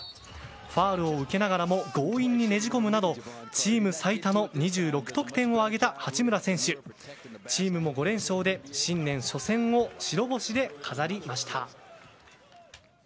ファウルを受けながらも強引にねじ込むなどチーム最多の２６得点を挙げた八村選手チームも５連勝で新年初戦を白星で飾りました。